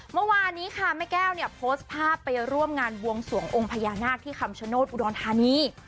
เมื่อวานนี้ค่ะแม่แก้วเนี่ยโพสต์ภาพไปร่วมงานบวงสวงองค์พญานาคที่คำชโนธอุดรธานี